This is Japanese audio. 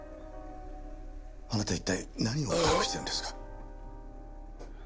あなた一体何を隠してるんですか？